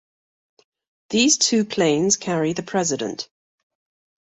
These two planes carry the President.